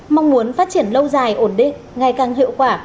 mong muốn phát triển lâu dài ổn định ngày càng hiệu quả